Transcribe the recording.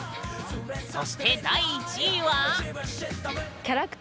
そして第１位は。